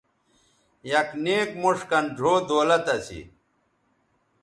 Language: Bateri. یک نیک موݜ کَن ڙھؤ دولت اسی